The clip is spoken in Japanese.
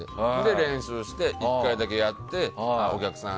練習して１回だけやってお客さん